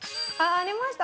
ありました。